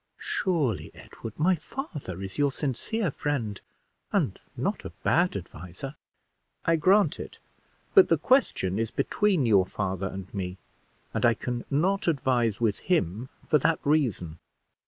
"Surely, Edward, my father is your sincere friend, and not a bad adviser." "I grant it; but the question is between your father and me, and I can not advise with him for that reason."